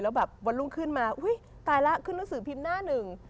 แล้วแบบวันรุ่งขึ้นมาอุ้ยตายแล้วขึ้นหนังสือพิมพ์หน้าหนึ่ง